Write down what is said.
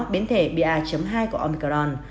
biến thể pa hai của omicron